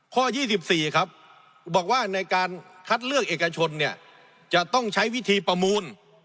ข้อ๒๔ครับบอกว่าในการคัดเลือกเอกชนเนี่ยจะต้องใช้วิธีประมูล